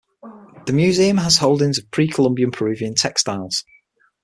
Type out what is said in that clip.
The Museum also has holdings of pre-Columbian Peruvian textiles.